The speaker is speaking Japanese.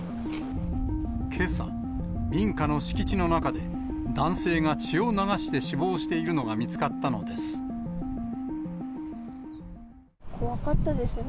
けさ、民家の敷地の中で男性が血を流して死亡しているのが見つかったの怖かったですね。